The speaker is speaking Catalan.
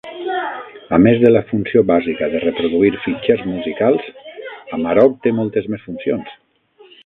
A més de la funció bàsica de reproduir fitxers musicals, Amarok té moltes més funcions.